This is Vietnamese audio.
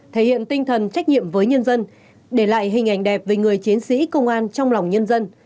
thể hiện tinh thần trách nhiệm với nhân dân để lại hình ảnh đẹp về người chiến sĩ công an trong lòng nhân dân